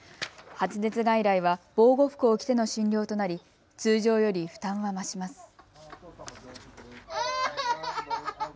発熱外来は防護服を着ての診療となり通常より負担は増します。